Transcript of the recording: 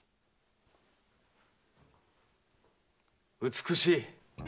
美しい！